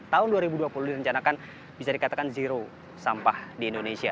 tahun dua ribu dua puluh direncanakan bisa dikatakan zero sampah di indonesia